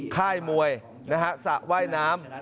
ค่ายมวยสระว่ายน้ำ